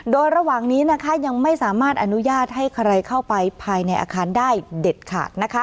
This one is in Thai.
โดยระหว่างนี้ยังไม่สามารถอนุญาตให้ใครเข้าไปภายในอาคารได้เด็ดขาด